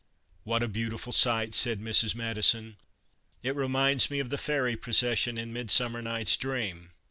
" What a beautiful sight," said Mrs. Madison. " It reminds me of the fairy procession in ' Midsummer Night's Dream.'